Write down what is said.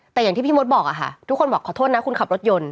แต่อย่างที่พี่มดบอกอะค่ะทุกคนบอกขอโทษนะคุณขับรถยนต์